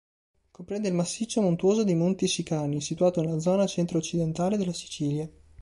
Comprende il massiccio montuoso dei Monti Sicani, situato nella zona centro-occidentale della Sicilia.